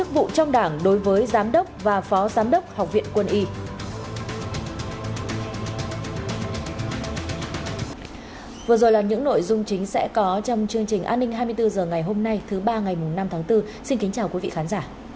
vừa rồi là những nội dung chính sẽ có trong chương trình an ninh hai mươi bốn h ngày hôm nay thứ ba ngày năm tháng bốn xin kính chào quý vị khán giả